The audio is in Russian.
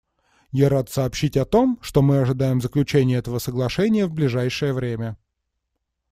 Я рад сообщить о том, что мы ожидаем заключения этого соглашения в ближайшее время.